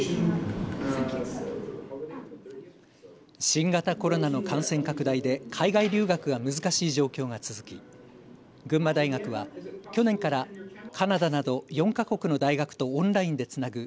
新型コロナの感染拡大で海外留学が難しい状況が続き群馬大学は去年からカナダなど４カ国の大学とオンラインでつなぐ